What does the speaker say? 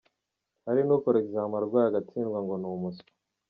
Hari n'ukora examen arwaye agatsindwa ngo ni umuswa.